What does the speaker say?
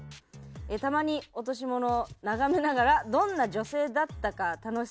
たまに落し物を眺めながらどんな女性だったか楽しそうに推理していると。